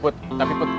put tapi put